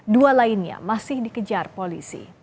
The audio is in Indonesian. dua lainnya masih dikejar polisi